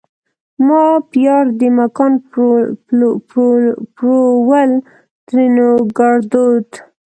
ما پیار دې مکان پرول؛ ترينو کړدود